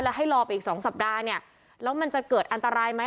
แล้วให้รอไปอีก๒สัปดาห์เนี่ยแล้วมันจะเกิดอันตรายไหม